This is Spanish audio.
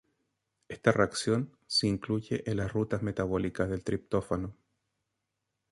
Esta reacción se incluye en las rutas metabólicas del triptófano.